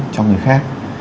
cho người khác